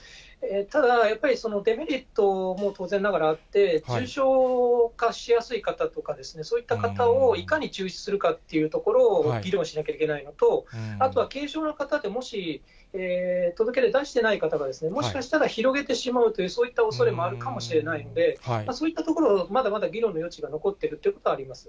ただ、やっぱりそのデメリットも当然ながらあって、重症化しやすい方とかですね、そういった方をいかに抽出するかってところを議論しなきゃいけないのと、あとは軽症な方で、もし届け出、だしてない方が、もしかしたら広げてしまうという、そういった恐れもあるかもしれないので、そういったところ、まだまだ議論の余地が残っているということはあります。